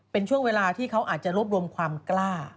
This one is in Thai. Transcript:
เป็นช่วงเวลาที่เขาอาจจะรวบรวมความกล้า